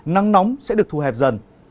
nắng nóng sẽ được thu hẹp dần